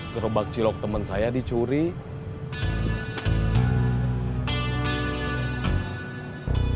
gerobak cilok temen saya dicurig